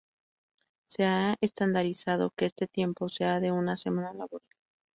Se ha estandarizado que este tiempo sea de una semana laboral.